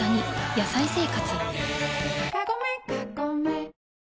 「野菜生活」